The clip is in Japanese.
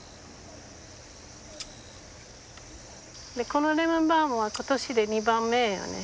このレモンバームは今年で２番目よね。